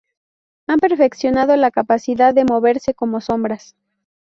Han perfeccionado la capacidad de moverse como sombras.